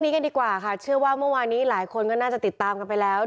กันดีกว่าค่ะเชื่อว่าเมื่อวานนี้หลายคนก็น่าจะติดตามกันไปแล้ว